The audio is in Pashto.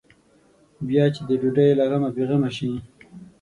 بیا چې د ډوډۍ له غمه بې غمه شي.